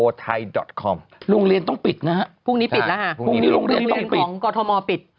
โรงเรียนต้องปิดนะฮะพรุ่งนี้โรงเรียนต้องปิดคือพรุ่งนี้โรงเรียนของกรทมปิด